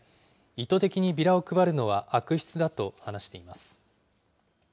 意図的にビラを配るのは悪質だと話しています。